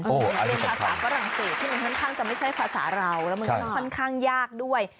การเรียนภาษาเวรัลงเศสแต่มันค่อนข้างจะไม่ใช่ภาษาราวคณค่างยากด้วย